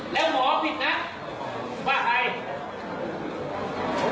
แล้วหมอผิดนะว่าใคร